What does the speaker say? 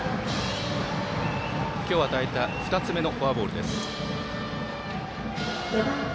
今日与えた２つ目のフォアボール。